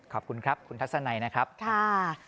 ขอบคุณครับคุณฮัทธา